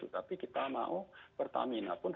tapi kita mau pertamina pun